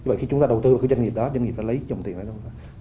ai kiểm soát vấn đề đó